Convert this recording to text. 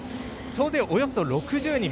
総勢およそ６０人。